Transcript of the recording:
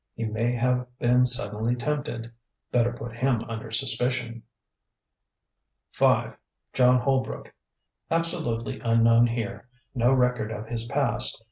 He may have been suddenly tempted. Better put him under suspicion. "5. John Holbrook. Absolutely unknown here. No record of his past.